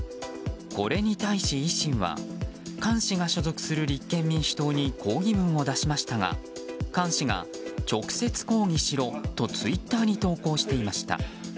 これに対し、維新は菅氏が所属する立憲民主党に抗議文を出しましたが菅氏が直接抗議しろとツイッターに投稿していました。